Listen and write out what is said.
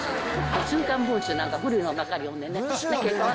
週刊文春なんて古いのばかり読んでね。